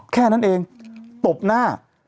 แค่นั้นเองตบหน้า